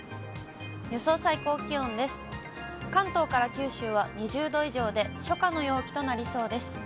関東から九州は２０度以上で、初夏の陽気となりそうです。